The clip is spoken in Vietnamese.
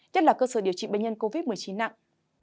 nhất là cơ sở điều trị bệnh nhân covid một mươi chín nặng